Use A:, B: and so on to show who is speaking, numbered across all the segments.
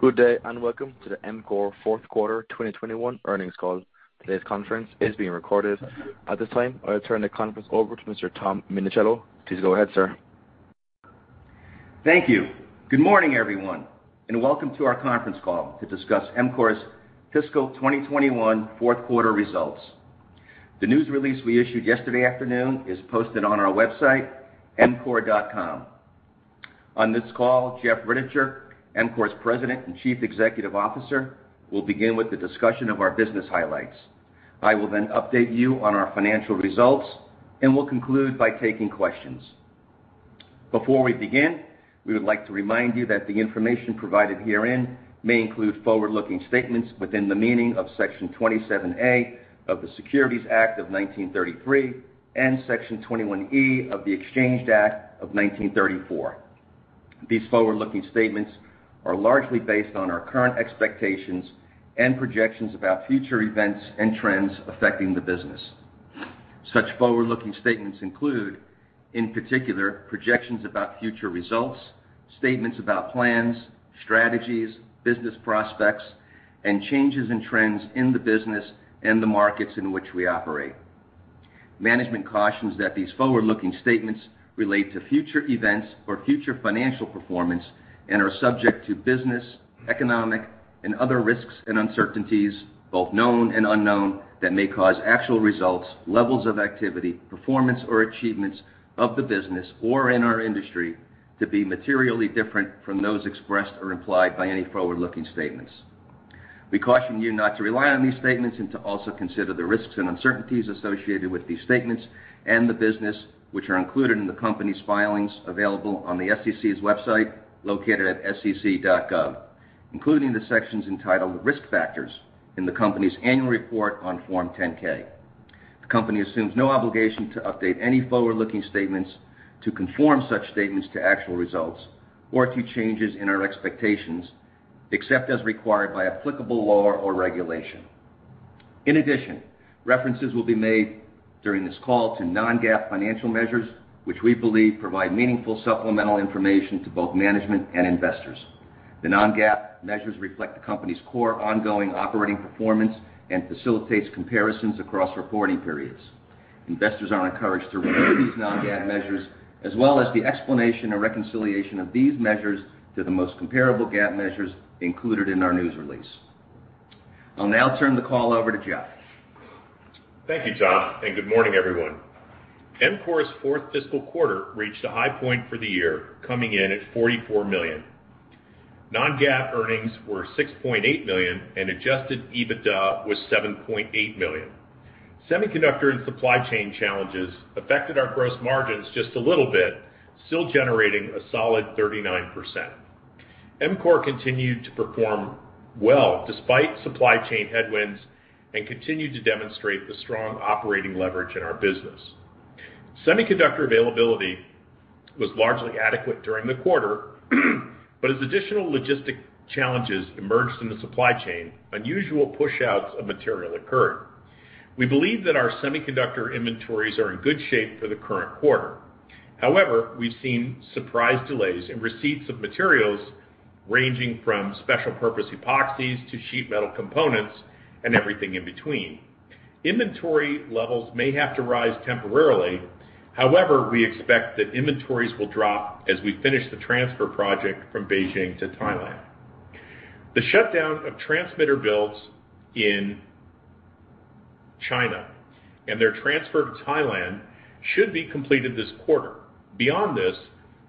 A: Good day, and welcome to the EMCORE fourth quarter 2021 earnings call. Today's conference is being recorded. At this time, I'll turn the conference over to Mr. Tom Minichiello. Please go ahead, sir.
B: Thank you. Good morning, everyone, and welcome to our conference call to discuss EMCORE's fiscal 2021 fourth quarter results. The news release we issued yesterday afternoon is posted on our website, emcore.com. On this call, Jeff Rittichier, EMCORE's President and Chief Executive Officer, will begin with the discussion of our business highlights. I will then update you on our financial results, and we'll conclude by taking questions. Before we begin, we would like to remind you that the information provided herein may include forward-looking statements within the meaning of Section 27A of the Securities Act of 1933 and Section 21E of the Exchange Act of 1934. These forward-looking statements are largely based on our current expectations and projections about future events and trends affecting the business. Such forward-looking statements include, in particular, projections about future results, statements about plans, strategies, business prospects, and changes in trends in the business and the markets in which we operate. Management cautions that these forward-looking statements relate to future events or future financial performance and are subject to business, economic, and other risks and uncertainties, both known and unknown, that may cause actual results, levels of activity, performance, or achievements of the business or in our industry to be materially different from those expressed or implied by any forward-looking statements. We caution you not to rely on these statements and to also consider the risks and uncertainties associated with these statements and the business, which are included in the company's filings available on the SEC's website, located at sec.gov, including the sections entitled Risk Factors in the company's annual report on Form 10-K. The company assumes no obligation to update any forward-looking statements to conform such statements to actual results or to changes in our expectations, except as required by applicable law or regulation. In addition, references will be made during this call to non-GAAP financial measures, which we believe provide meaningful supplemental information to both management and investors. The non-GAAP measures reflect the company's core ongoing operating performance and facilitate comparisons across reporting periods. Investors are encouraged to review these non-GAAP measures, as well as the explanation and reconciliation of these measures to the most comparable GAAP measures included in our news release. I'll now turn the call over to Jeff.
C: Thank you, Tom, and good morning, everyone. EMCORE's fourth fiscal quarter reached a high point for the year, coming in at $44 million. Non-GAAP earnings were $6.8 million and adjusted EBITDA was $7.8 million. Semiconductor and supply chain challenges affected our gross margins just a little bit, still generating a solid 39%. EMCORE continued to perform well despite supply chain headwinds and continued to demonstrate the strong operating leverage in our business. Semiconductor availability was largely adequate during the quarter, but as additional logistics challenges emerged in the supply chain, unusual pushouts of material occurred. We believe that our semiconductor inventories are in good shape for the current quarter. However, we've seen surprise delays in receipts of materials ranging from special purpose epoxies to sheet metal components and everything in between. Inventory levels may have to rise temporarily. However, we expect that inventories will drop as we finish the transfer project from Beijing to Thailand. The shutdown of transmitter builds in China and their transfer to Thailand should be completed this quarter. Beyond this,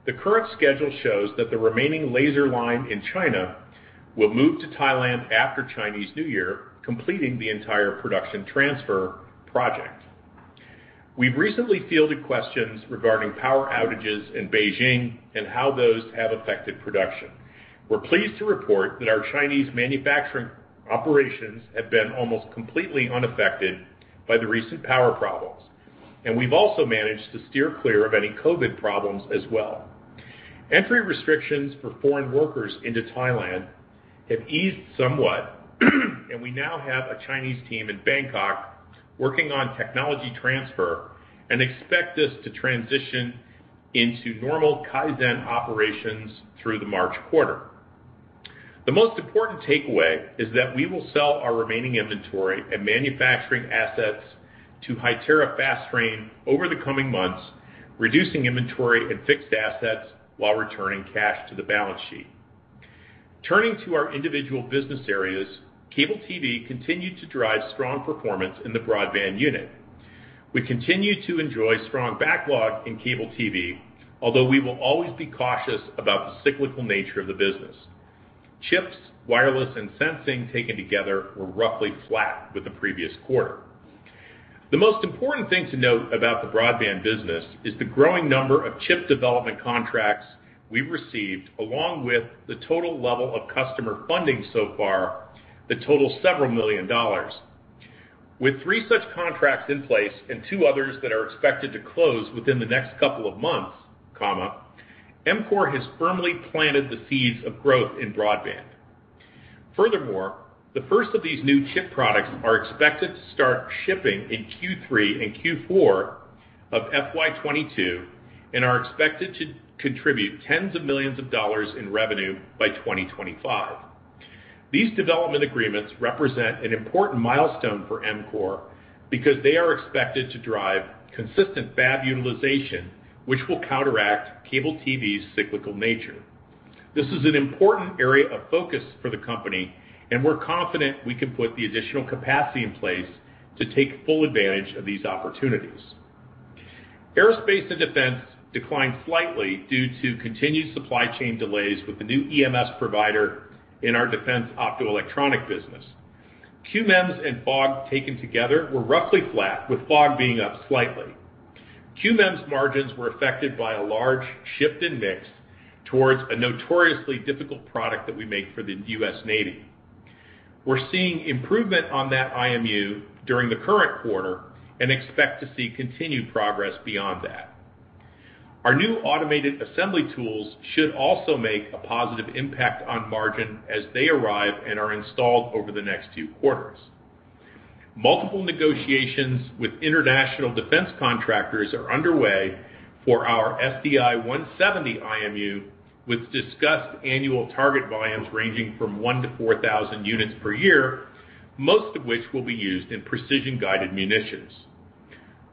C: the current schedule shows that the remaining laser line in China will move to Thailand after Chinese New Year, completing the entire production transfer project. We've recently fielded questions regarding power outages in Beijing and how those have affected production. We're pleased to report that our Chinese manufacturing operations have been almost completely unaffected by the recent power problems, and we've also managed to steer clear of any COVID problems as well. Entry restrictions for foreign workers into Thailand have eased somewhat, and we now have a Chinese team in Bangkok working on technology transfer and expect this to transition into normal Kaizen operations through the March quarter. The most important takeaway is that we will sell our remaining inventory and manufacturing assets to Hytera Fastrain over the coming months, reducing inventory and fixed assets while returning cash to the balance sheet. Turning to our individual business areas, Cable TV continued to drive strong performance in the broadband unit. We continue to enjoy strong backlog in Cable TV, although we will always be cautious about the cyclical nature of the business. Chips, wireless, and sensing taken together were roughly flat with the previous quarter. The most important thing to note about the broadband business is the growing number of chip development contracts we received, along with the total level of customer funding so far that total $ several million. With three such contracts in place and two others that are expected to close within the next couple of months, EMCORE has firmly planted the seeds of growth in broadband. Furthermore, the first of these new chip products are expected to start shipping in Q3 and Q4 of FY 2022 and are expected to contribute tens of millions dollar in revenue by 2025. These development agreements represent an important milestone for EMCORE because they are expected to drive consistent fab utilization, which will counteract Cable TV's cyclical nature. This is an important area of focus for the company, and we're confident we can put the additional capacity in place to take full advantage of these opportunities. Aerospace and Defense declined slightly due to continued supply chain delays with the new EMS provider in our defense optoelectronic business. QMEMS and FOG taken together were roughly flat, with FOG being up slightly. QMEMS margins were affected by a large shift in mix towards a notoriously difficult product that we make for the U.S. Navy. We're seeing improvement on that IMU during the current quarter and expect to see continued progress beyond that. Our new automated assembly tools should also make a positive impact on margin as they arrive and are installed over the next two quarters. Multiple negotiations with international defense contractors are underway for our SDI170 IMU, with discussed annual target volumes ranging from 1,000-4,000 units per year, most of which will be used in precision-guided munitions.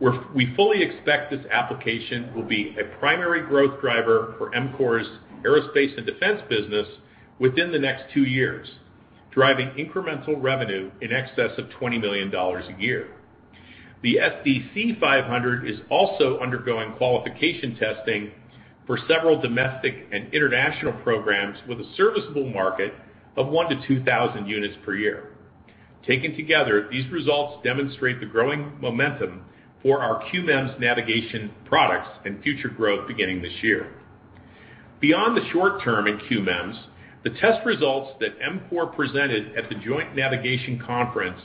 C: We fully expect this application will be a primary growth driver for EMCORE's Aerospace and Defense business within the next two years, driving incremental revenue in excess of $20 million a year. The SDC500 is also undergoing qualification testing for several domestic and international programs with a serviceable market of 1,000-2,000 units per year. Taken together, these results demonstrate the growing momentum for our QMEMS navigation products and future growth beginning this year. Beyond the short term in QMEMS, the test results that EMCORE presented at the Joint Navigation Conference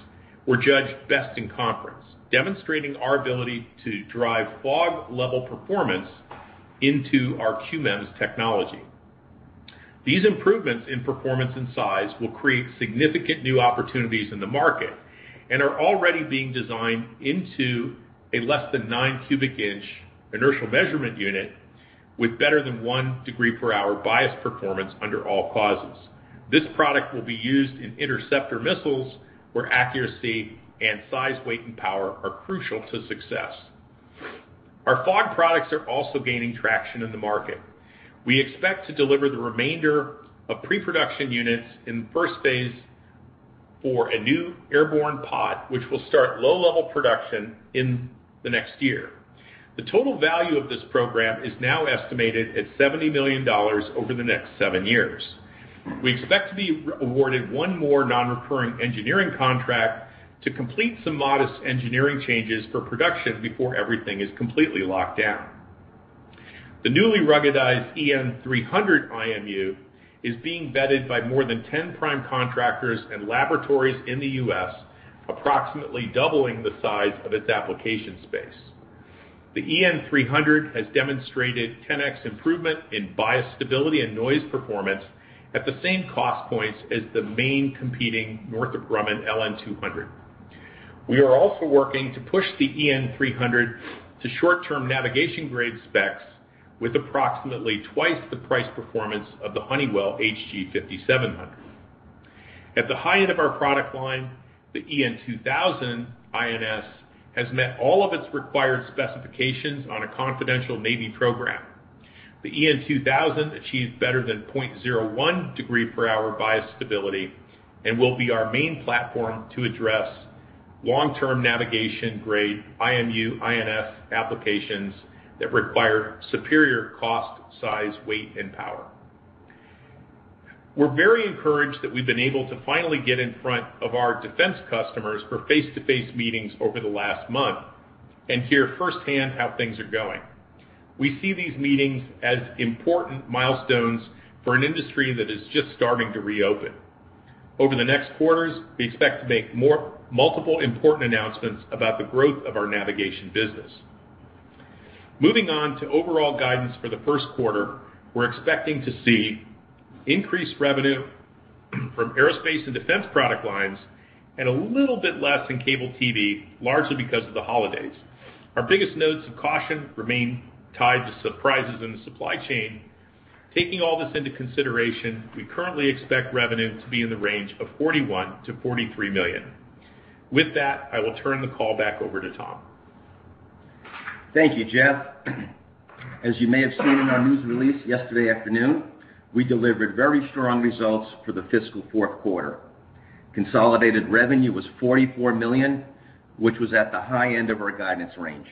C: were judged best in conference, demonstrating our ability to drive FOG-level performance into our QMEMS technology. These improvements in performance and size will create significant new opportunities in the market and are already being designed into a less than 9 cubic inch inertial measurement unit with better than 1 degree per hour bias performance under all causes. This product will be used in interceptor missiles where accuracy and size, weight, and power are crucial to success. Our FOG products are also gaining traction in the market. We expect to deliver the remainder of pre-production units in the first phase for a new airborne pod, which will start low-level production in the next year. The total value of this program is now estimated at $70 million over the next 7 years. We expect to be awarded one more non-recurring engineering contract to complete some modest engineering changes for production before everything is completely locked down. The newly ruggedized EN-300 IMU is being vetted by more than 10 prime contractors and laboratories in the U.S., approximately doubling the size of its application space. The EN-300 has demonstrated 10x improvement in bias stability and noise performance at the same cost points as the main competing Northrop Grumman LN-200. We are also working to push the EN-300 to short-term navigation grade specs with approximately twice the price performance of the Honeywell HG5700. At the high end of our product line, the EN-2000 INS has met all of its required specifications on a confidential Navy program. The EN-2000 achieved better than 0.01 degree per hour bias stability and will be our main platform to address long-term navigation grade IMU/INS applications that require superior cost, size, weight, and power. We're very encouraged that we've been able to finally get in front of our defense customers for face-to-face meetings over the last month and hear firsthand how things are going. We see these meetings as important milestones for an industry that is just starting to reopen. Over the next quarters, we expect to make multiple important announcements about the growth of our navigation business. Moving on to overall guidance for the first quarter, we're expecting to see increased revenue from Aerospace and Defense product lines and a little bit less in Cable TV, largely because of the holidays. Our biggest notes of caution remain tied to surprises in the supply chain. Taking all this into consideration, we currently expect revenue to be in the range of $41 million to $43 million. With that, I will turn the call back over to Tom.
B: Thank you, Jeff. As you may have seen in our news release yesterday afternoon, we delivered very strong results for the fiscal fourth quarter. Consolidated revenue was $44 million, which was at the high end of our guidance range.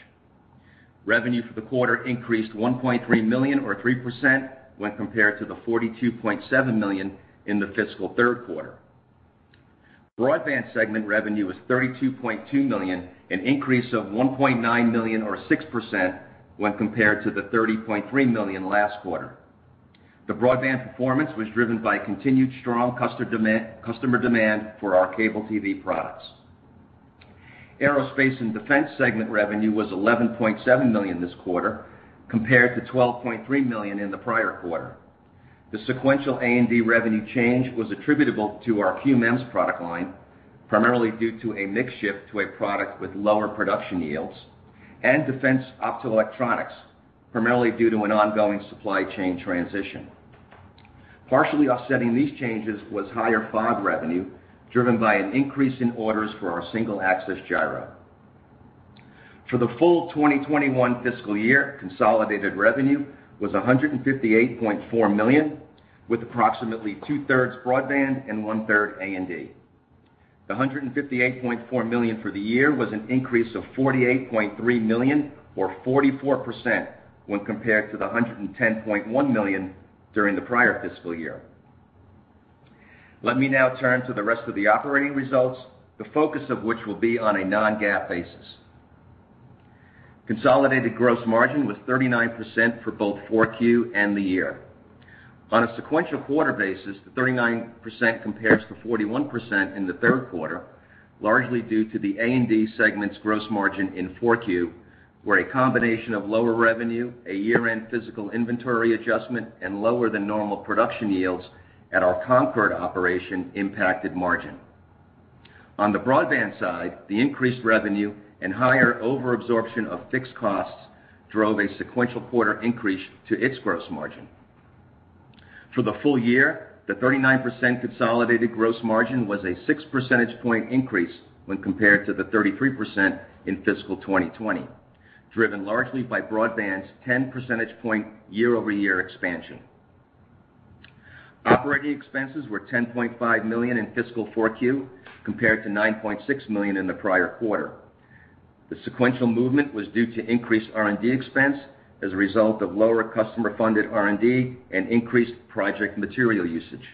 B: Revenue for the quarter increased $1.3 million or 3% when compared to the $42.7 million in the fiscal third quarter. Broadband segment revenue was $32.2 million, an increase of $1.9 million or 6% when compared to the $30.3 million last quarter. The broadband performance was driven by continued strong customer demand for our Cable TV products. Aerospace and Defense segment revenue was $11.7 million this quarter compared to $12.3 million in the prior quarter. The sequential A&D revenue change was attributable to our QMEMS product line, primarily due to a mix shift to a product with lower production yields and defense optical electronics, primarily due to an ongoing supply chain transition. Partially offsetting these changes was higher FOG revenue, driven by an increase in orders for our single-axis gyro. For the full 2021 fiscal year, consolidated revenue was $158.4 million, with approximately two-thirds broadband and one-third A&D. The $158.4 million for the year was an increase of $48.3 million or 44% when compared to the $110.1 million during the prior fiscal year. Let me now turn to the rest of the operating results, the focus of which will be on a non-GAAP basis. Consolidated gross margin was 39% for both Q4 and the year. On a sequential quarter basis, the 39% compares to 41% in the third quarter, largely due to the A&D segment's gross margin in Q4, where a combination of lower revenue, a year-end physical inventory adjustment, and lower than normal production yields at our Concord operation impacted margin. On the broadband side, the increased revenue and higher over-absorption of fixed costs drove a sequential quarter increase to its gross margin. For the full year, the 39% consolidated gross margin was a 6 percentage point increase when compared to the 33% in fiscal 2020, driven largely by broadband's 10 percentage point year-over-year expansion. Operating expenses were $10.5 million in fiscal Q4 compared to $9.6 million in the prior quarter. The sequential movement was due to increased R&D expense as a result of lower customer-funded R&D and increased project material usage.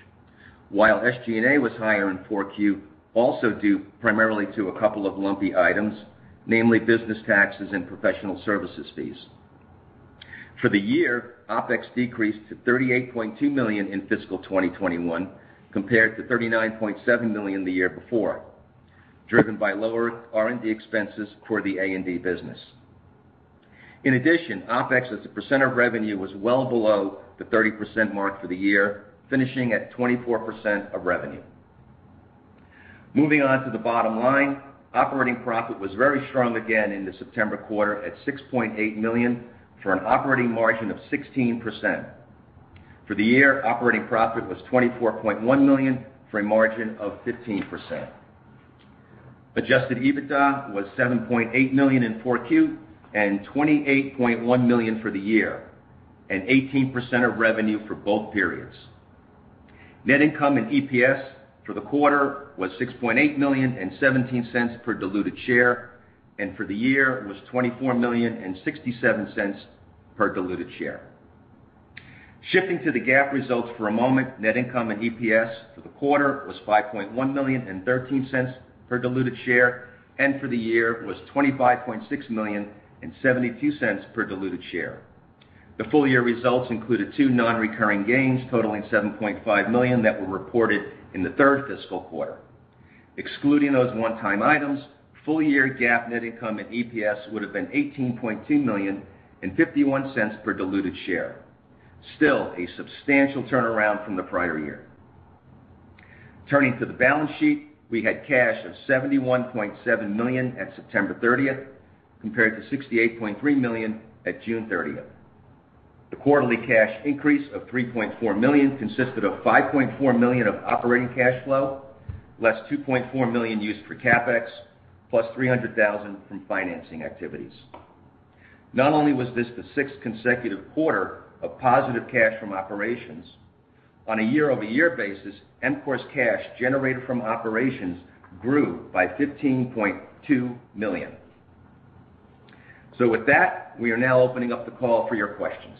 B: While SG&A was higher in Q4, also due primarily to a couple of lumpy items, namely business taxes and professional services fees. For the year, OpEx decreased to $38.2 million in fiscal 2021 compared to $39.7 million the year before, driven by lower R&D expenses for the A&D business. In addition, OpEx as a percent of revenue was well below the 30% mark for the year, finishing at 24% of revenue. Moving on to the bottom line, operating profit was very strong again in the September quarter at $6.8 million for an operating margin of 16%. For the year, operating profit was $24.1 million for a margin of 15%. Adjusted EBITDA was $7.8 million in Q4 and $28.1 million for the year, and 18% of revenue for both periods. Net income and EPS for the quarter was $6.8 million and $0.17 per diluted share, and for the year was $24 million and $0.67 per diluted share. Shifting to the GAAP results for a moment, net income and EPS for the quarter was $5.1 million and $0.13 per diluted share, and for the year was $25.6 million and $0.72 per diluted share. The full year results included two non-recurring gains totaling $7.5 million that were reported in the third fiscal quarter. Excluding those one-time items, full year GAAP net income and EPS would have been $18.2 million and $0.51 per diluted share. Still a substantial turnaround from the prior year. Turning to the balance sheet, we had cash of $71.7 million at September 30, compared to $68.3 million at June 30. The quarterly cash increase of $3.4 million consisted of $5.4 million of operating cash flow, less $2.4 million used for CapEx, plus $300 thousand from financing activities. Not only was this the sixth consecutive quarter of positive cash from operations, on a year-over-year basis, EMCORE's cash generated from operations grew by $15.2 million. With that, we are now opening up the call for your questions.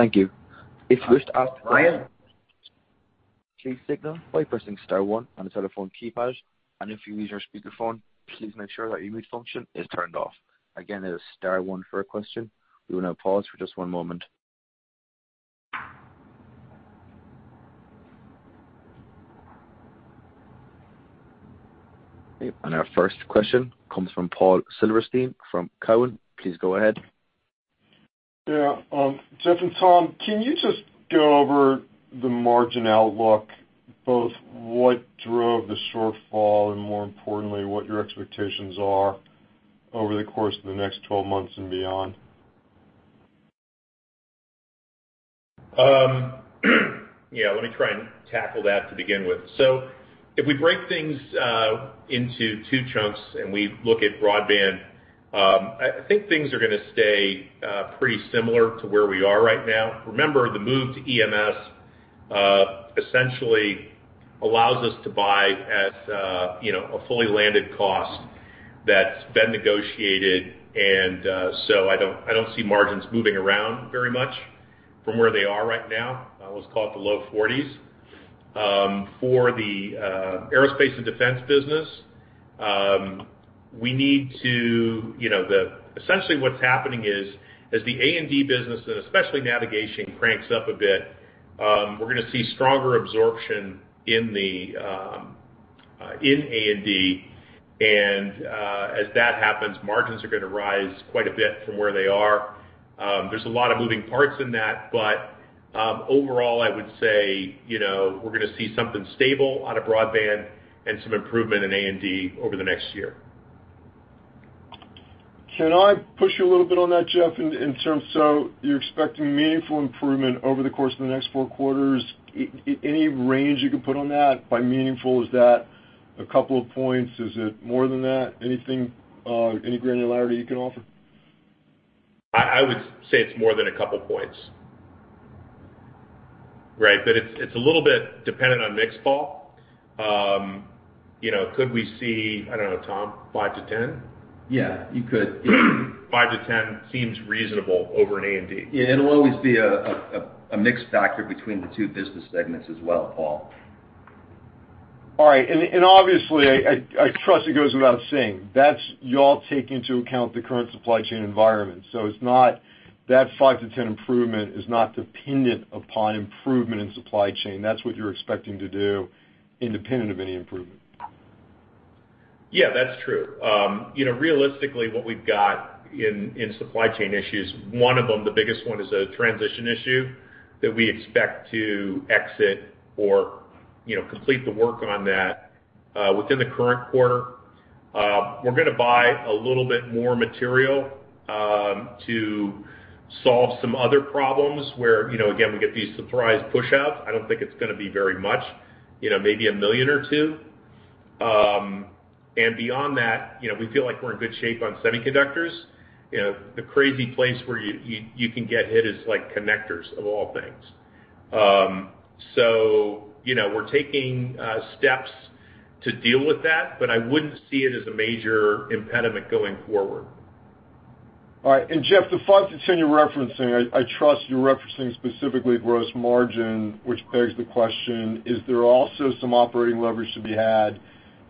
A: Thank you. If you wish to ask, please signal by pressing star one on the telephone keypad. If you use your speakerphone, please make sure that your mute function is turned off. Again, it is star one for a question. We will now pause for just one moment. Our first question comes from Paul Silverstein from Cowen. Please go ahead.
D: Yeah, Jeff and Tom, can you just go over the margin outlook, both what drove the shortfall and more importantly, what your expectations are over the course of the next 12 months and beyond?
C: Yeah, let me try and tackle that to begin with. If we break things into two chunks and we look at broadband, I think things are gonna stay pretty similar to where we are right now. Remember, the move to EMS essentially allows us to buy at a, you know, a fully landed cost that's been negotiated, and so I don't see margins moving around very much from where they are right now. Let's call it the low 40%. For the Aerospace and Defense business, We need to, you know, essentially what's happening is, as the A&D business, and especially navigation, cranks up a bit, we're gonna see stronger absorption in the A&D. As that happens, margins are gonna rise quite a bit from where they are. There's a lot of moving parts in that, but overall I would say, you know, we're gonna see something stable out of broadband and some improvement in A&D over the next year.
D: Can I push you a little bit on that, Jeff, in terms. You're expecting meaningful improvement over the course of the next four quarters. Any range you can put on that? By meaningful, is that a couple of points? Is it more than that? Anything, any granularity you can offer?
C: I would say it's more than a couple points. Right. It's a little bit dependent on mix, Paul. You know, could we see, I don't know, Tom, 5% to 10%?
B: Yeah, you could.
C: 5% to 10% seems reasonable over in A&D.
B: Yeah, it'll always be a mix factor between the two business segments as well, Paul.
D: All right. Obviously, I trust it goes without saying, that's y'all take into account the current supply chain environment. It's not that 5%-10% improvement is not dependent upon improvement in supply chain. That's what you're expecting to do independent of any improvement.
C: Yeah, that's true. You know, realistically what we've got in supply chain issues, one of them, the biggest one, is a transition issue that we expect to exit or, you know, complete the work on that within the current quarter. We're gonna buy a little bit more material to solve some other problems where, you know, again, we get these surprise pushouts. I don't think it's gonna be very much, you know, maybe $1 million or $2 million. And beyond that, you know, we feel like we're in good shape on semiconductors. You know, the crazy place where you can get hit is, like, connectors of all things. You know, we're taking steps to deal with that, but I wouldn't see it as a major impediment going forward.
D: All right. Jeff, the 5% to 10% you're referencing, I trust you're referencing specifically gross margin, which begs the question, is there also some operating leverage to be had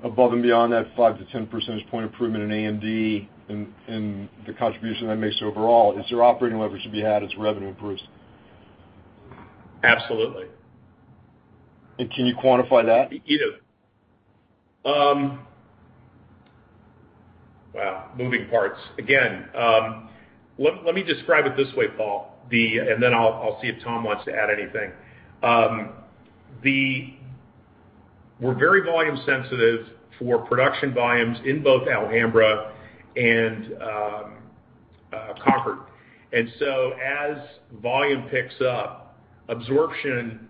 D: above and beyond that 5 to 10 percentage point improvement in A&D and the contribution that makes overall? Is there operating leverage to be had as revenue improves?
C: Absolutely.
D: Can you quantify that?
C: You know, wow, moving parts. Again, let me describe it this way, Paul. I'll see if Tom wants to add anything. We're very volume sensitive for production volumes in both Alhambra and Concord. As volume picks up, absorption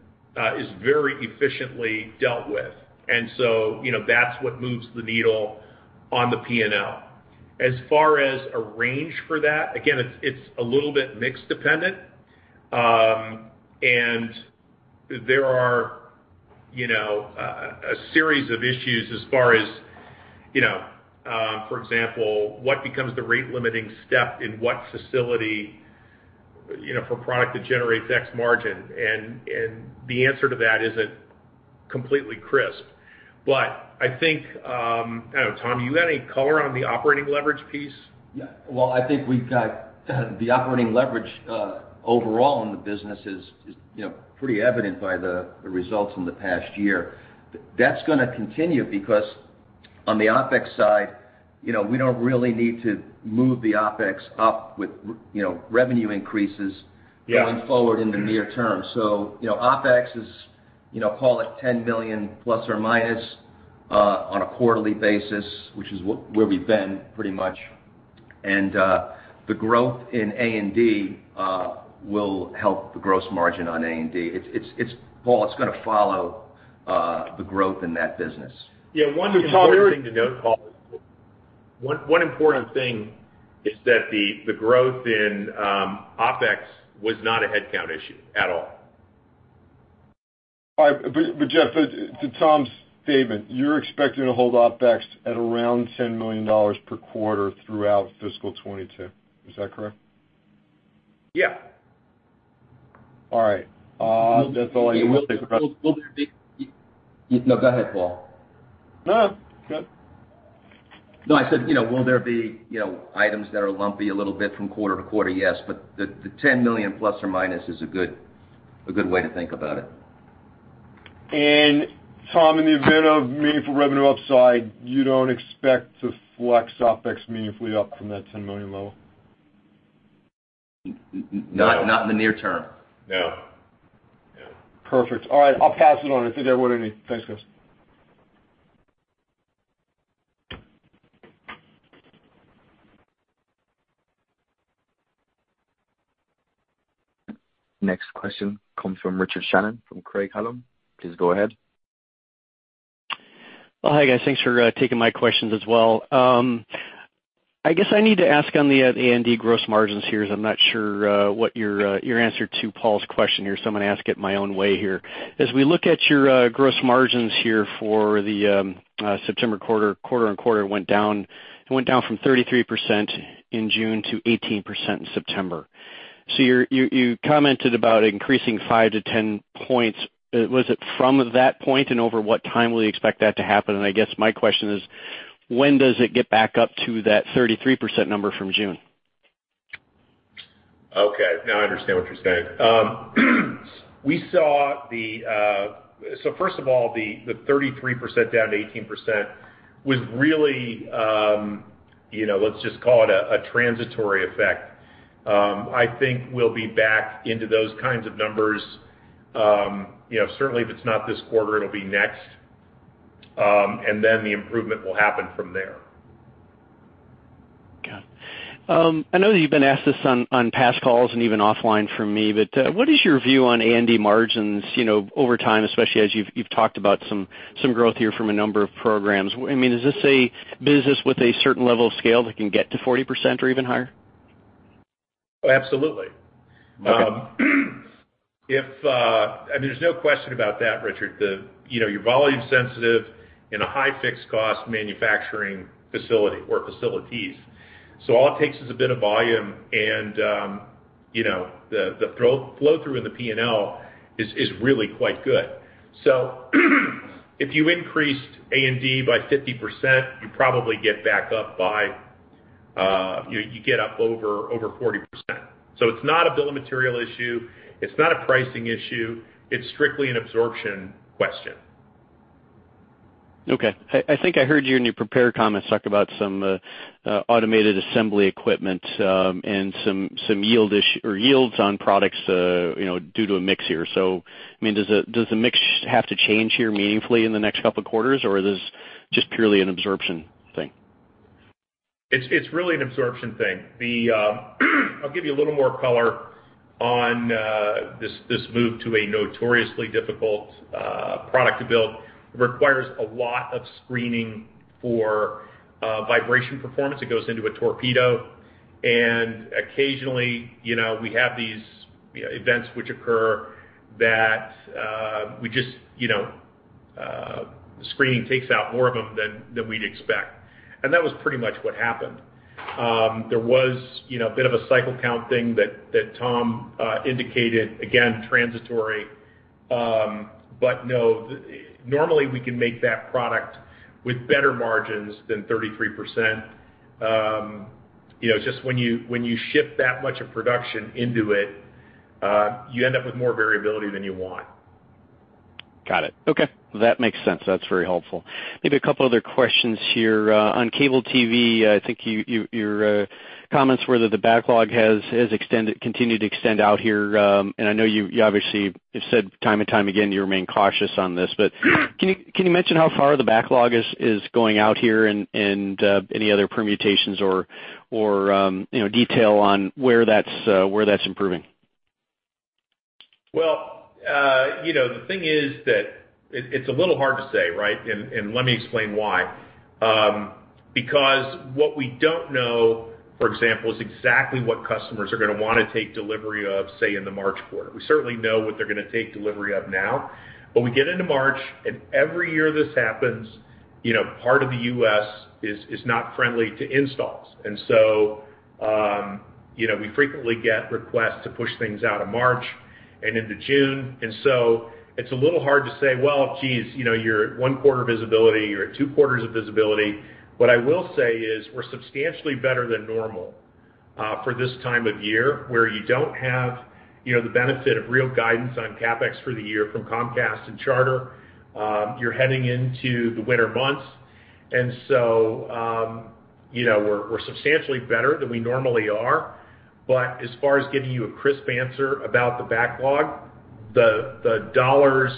C: is very efficiently dealt with. You know, that's what moves the needle on the P&L. As far as a range for that, again, it's a little bit mix dependent. And there are, you know, a series of issues as far as, you know, for example, what becomes the rate limiting step in what facility, you know, for a product that generates X margin? And the answer to that isn't completely crisp. I think, I don't know, Tom, you got any color on the operating leverage piece?
B: Yeah. Well, I think we've got the operating leverage overall in the business is, you know, pretty evident by the results in the past year. That's gonna continue because on the OpEx side, you know, we don't really need to move the OpEx up with, you know, revenue increases.
C: Yeah.
B: Going forward in the near term. You know, OpEx is, you know, call it $10 million plus or minus on a quarterly basis, which is where we've been pretty much. The growth in A&D will help the gross margin on A&D. It's Paul, it's gonna follow the growth in that business.
C: Yeah. One important thing to note, Paul, is that the growth in OpEx was not a headcount issue at all.
D: All right. Jeff, to Tom's statement, you're expecting to hold OpEx at around $10 million per quarter throughout fiscal 2022. Is that correct?
C: Yeah.
D: All right. That's all I need.
B: Will there be?
C: You-
B: No, go ahead, Paul.
D: No, go ahead.
B: No, I said, you know, will there be, you know, items that are lumpy a little bit from quarter to quarter? Yes. The $10 million ± is a good way to think about it.
D: Tom, in the event of meaningful revenue upside, you don't expect to flex OpEx meaningfully up from that $10 million level?
C: No.
B: Not in the near term.
C: No.
D: Perfect. All right, I'll pass it on if there weren't any. Thanks, guys.
A: Next question comes from Richard Shannon from Craig-Hallum. Please go ahead.
E: Well, hi, guys. Thanks for taking my questions as well. I guess I need to ask on the A&D gross margins here as I'm not sure what your answer to Paul's question here is, so I'm gonna ask it my own way here. As we look at your gross margins here for the September quarter-over-quarter it went down. It went down from 33% in June to 18% in September. You commented about increasing 5-10 points. Was it from that point? And over what time will you expect that to happen? And I guess my question is, when does it get back up to that 33% number from June?
C: Okay, now I understand what you're saying. First of all, the 33% down to 18% was really, you know, let's just call it a transitory effect. I think we'll be back into those kinds of numbers, you know, certainly if it's not this quarter, it'll be next. The improvement will happen from there.
E: Got it. I know that you've been asked this on past calls and even offline from me, but what is your view on A&D margins, you know, over time, especially as you've talked about some growth here from a number of programs? I mean, is this a business with a certain level of scale that can get to 40% or even higher?
C: Absolutely.
E: Okay.
C: I mean, there's no question about that, Richard. You're volume sensitive in a high fixed cost manufacturing facility or facilities. All it takes is a bit of volume, and you know, the flow through in the P&L is really quite good. If you increased A&D by 50%, you probably get back up by you know, you get up over 40%. It's not a bill of material issue, it's not a pricing issue, it's strictly an absorption question.
E: Okay. I think I heard you in your prepared comments talk about some automated assembly equipment and some yield issue or yields on products, you know, due to a mix here. I mean, does the mix have to change here meaningfully in the next couple of quarters, or is this just purely an absorption thing?
C: It's really an absorption thing. I'll give you a little more color on this move to a notoriously difficult product to build. It requires a lot of screening for vibration performance. It goes into a torpedo. Occasionally, you know, we have these, you know, events which occur that the screening takes out more of them than we'd expect. That was pretty much what happened. There was, you know, a bit of a cycle count thing that Tom indicated, again, transitory. No, normally, we can make that product with better margins than 33%. You know, just when you ship that much of production into it, you end up with more variability than you want.
E: Got it. Okay, that makes sense. That's very helpful. Maybe a couple other questions here. On Cable TV, I think your comments were that the backlog has continued to extend out here. I know you obviously have said time and time again, you remain cautious on this. Can you mention how far the backlog is going out here and any other permutations or you know, detail on where that's improving?
C: Well, you know, the thing is it's a little hard to say, right? Let me explain why. Because what we don't know, for example, is exactly what customers are gonna wanna take delivery of, say, in the March quarter. We certainly know what they're gonna take delivery of now. When we get into March, and every year this happens, you know, part of the U.S. is not friendly to installs. We frequently get requests to push things out of March and into June. It's a little hard to say, "Well, geez, you know, you're at one quarter visibility, you're at two quarters of visibility." What I will say is we're substantially better than normal for this time of year, where you don't have, you know, the benefit of real guidance on CapEx for the year from Comcast and Charter. You're heading into the winter months. You know, we're substantially better than we normally are. But as far as giving you a crisp answer about the backlog, the dollars,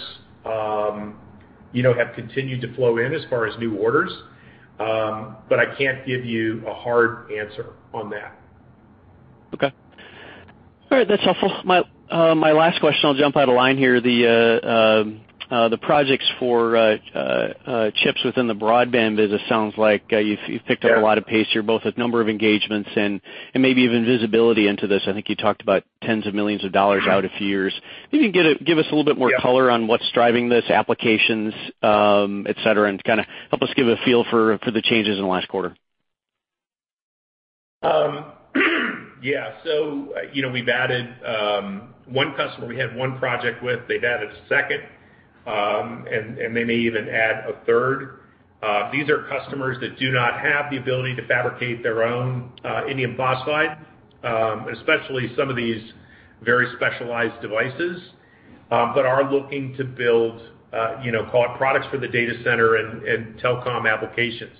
C: you know, have continued to flow in as far as new orders. But I can't give you a hard answer on that.
E: Okay. All right. That's helpful. My last question, I'll jump out of line here. The projects for chips within the broadband business sounds like, you've picked up-
C: Yeah.
E: A lot of pace here, both with number of engagements and maybe even visibility into this. I think you talked about tens of millions of dollars out a few years. Maybe give us a little bit more color.
C: Yeah.
E: on what's driving these applications, et cetera, and kind of help us give a feel for the changes in the last quarter.
C: Yeah. You know, we've added one customer we had one project with, they've added a second, and they may even add a third. These are customers that do not have the ability to fabricate their own indium phosphide, especially some of these very specialized devices, but are looking to build you know, products for the data center and telecom applications.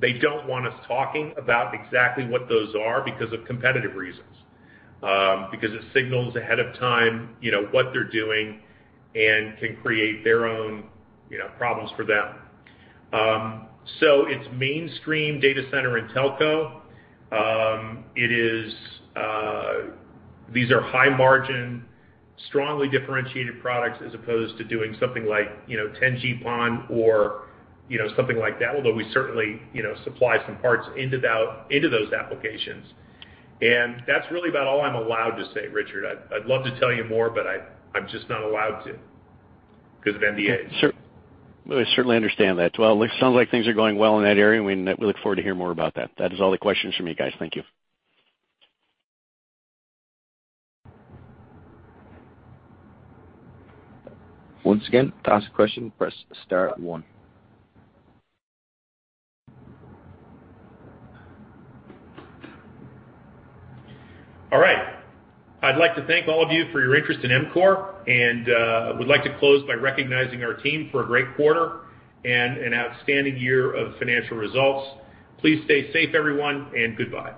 C: They don't want us talking about exactly what those are because of competitive reasons. Because it signals ahead of time, you know, what they're doing and can create their own you know, problems for them. It's mainstream data center and telco. It is these are high-margin, strongly differentiated products as opposed to doing something like, you know, 10G-PON or, you know, something like that, although we certainly, you know, supply some parts into those applications. That's really about all I'm allowed to say, Richard. I'd love to tell you more, but I'm just not allowed to 'cause of NDAs.
E: Sure. I certainly understand that. Well, it sounds like things are going well in that area, and we look forward to hear more about that. That is all the questions from me, guys. Thank you.
A: Once again, to ask a question, press star one.
C: All right. I'd like to thank all of you for your interest in EMCORE, and would like to close by recognizing our team for a great quarter and an outstanding year of financial results. Please stay safe, everyone, and goodbye.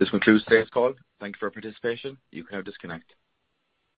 A: This concludes today's call. Thank you for your participation. You can now disconnect.